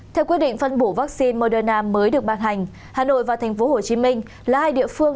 theo quyết định phân bổ vaccine moderna mới được ban hành hà nội và tp hcm là hai địa phương